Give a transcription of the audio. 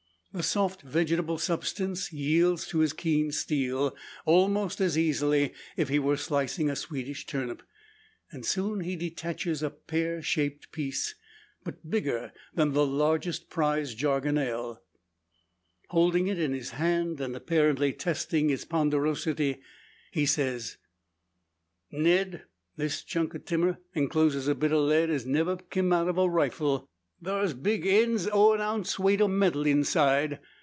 The soft vegetable substance yields to his keen steel, almost as easily as if he were slicing a Swedish turnip; and soon he detaches a pear shaped piece, but bigger than the largest prize "Jargonelle." Holding it in his hand, and apparently testing its ponderosity, he says: "Ned; this chunk o' timmer encloses a bit o' lead as niver kim out o' a rifle. Thar's big eends o' an ounce weight o' metal inside.